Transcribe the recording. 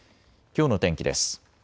きょうの天気です。